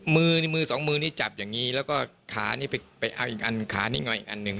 มือนี่มือสองมือนี่จับอย่างนี้แล้วก็ขานี่ไปเอาอีกอันขานิ่งเอาอีกอันหนึ่ง